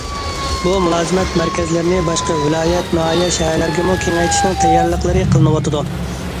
بۇ مۇلازىمەت مەركەزلىرىنى باشقا ۋىلايەت، ناھىيە، شەھەرلەرگىمۇ كېڭەيتىشنىڭ تەييارلىقلىرى قىلىنىۋاتىدۇ.